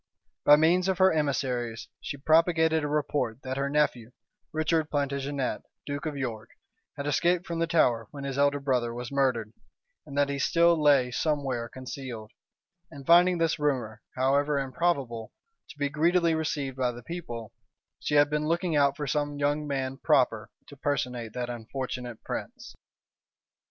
By means of her emissaries, she propagated a report that her nephew, Richard Plantagenet, duke of York, had escaped from the Tower when his elder brother was murdered, and that he still lay somewhere concealed: and finding this rumor, however improbable, to be greedily received by the people, she had been looking out for some young man proper to personate that unfortunate prince.